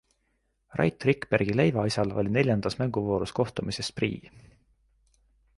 Rait Rikbergi leivaisal oli neljandas mänguvoorus kohtumisest prii.